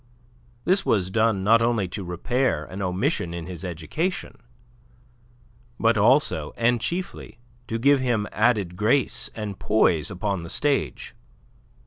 This was done not only to repair an omission in his education, but also, and chiefly, to give him added grace and poise upon the stage.